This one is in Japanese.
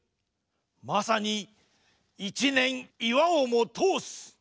まさに一念岩をも通す！